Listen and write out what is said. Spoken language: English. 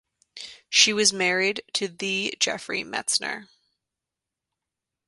She was married to the Jeffrey Metzner.